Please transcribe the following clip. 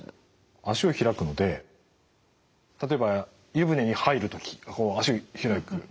脚を開くので例えば湯船に入る時脚開く。